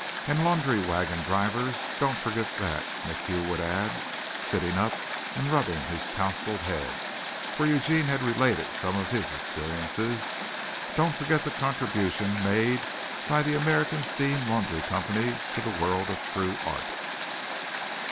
"And laundry wagon drivers, don't forget that," MacHugh would add, sitting up and rubbing his tousled head, for Eugene had related some of his experiences. "Don't forget the contribution made by the American Steam Laundry Company to the world of true art."